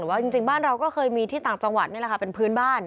แต่ว่าจริงบ้านเราก็เคยมีที่ต่างจังหวัดนี่แหละค่ะเป็นพื้นบ้าน